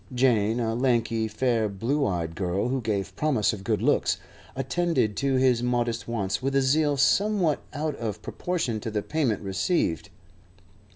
Jane, a lanky, fair, blue eyed girl, who gave promise of good looks, attended to his modest wants with a zeal somewhat out of proportion to the payment received.